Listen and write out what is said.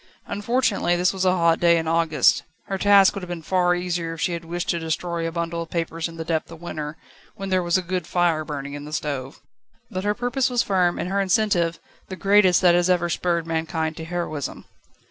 Unfortunately, this was a hot day in August. Her task would have been far easier if she had wished to destroy a bundle of papers in the depth of winter, when there was a good fire burning in the stove. But her purpose was firm and her incentive, the greatest that has ever spurred mankind to heroism.